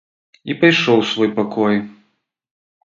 І пайшоў у свой пакой.